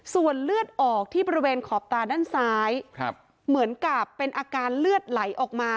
ส่วนเลือดออกที่บริเวณขอบตาด้านซ้ายเหมือนกับเป็นอาการเลือดไหลออกมา